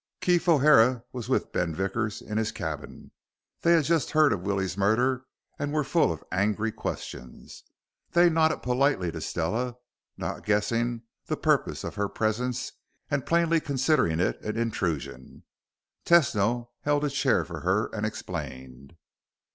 Keef O'Hara was with Ben Vickers in his cabin. They had just heard of Willie's murder and were full of angry questions. They nodded politely to Stella, not guessing the purpose of her presence and plainly considering it an intrusion. Tesno held a chair for her and explained.